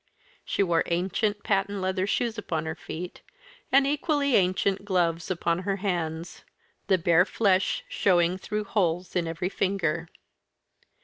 She wore ancient patent leather shoes upon her feet, and equally ancient gloves upon her hands the bare flesh showing through holes in every finger.